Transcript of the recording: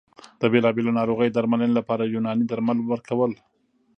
د بېلابېلو ناروغیو د درملنې لپاره یوناني درمل ورکول